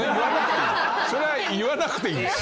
それは言わなくていいんです！